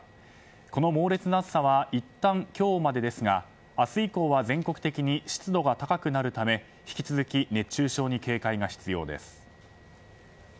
この猛烈な暑さはいったん今日までですが明日以降は全国的に湿度が高くなるため引き続き熱中症に警戒が必要です。